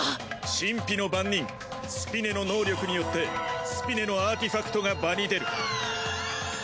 神秘の番人・スピネの能力によってスピネのアーティファクトが場に出る。